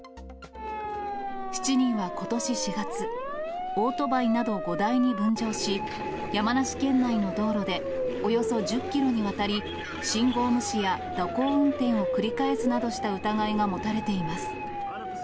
７人はことし４月、オートバイなど５台に分乗し、山梨県内の道路でおよそ１０キロにわたり、信号無視や蛇行運転を繰り返すなどした疑いが持たれています。